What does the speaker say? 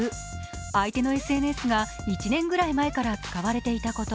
相手のＳＮＳが１年ぐらい前から使われていたこと。